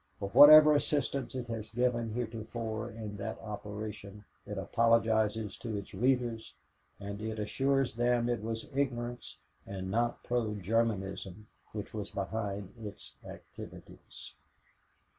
For whatever assistance it has given heretofore in that operation it apologizes to its readers and it assures them it was ignorance and not pro Germanism which was behind its activities."